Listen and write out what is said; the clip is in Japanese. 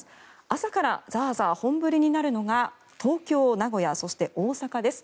朝からザーザー本降りになるのが東京、名古屋そして、大阪です。